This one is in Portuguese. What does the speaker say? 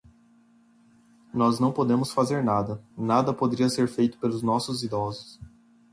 Nós não podemos fazer nada, nada poderia ser feito pelos nossos idosos.